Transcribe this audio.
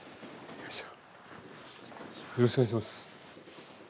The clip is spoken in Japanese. よろしくお願いします。